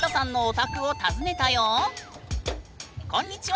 こんにちは！